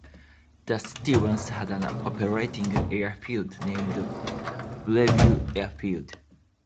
The city once had an operating air-field named Bellevue Airfield.